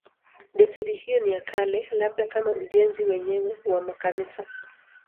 Desturi hiyo ni ya kale, labda kama ujenzi wenyewe wa makanisa.